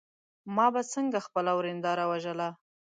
ما به څنګه خپله ورېنداره وژله.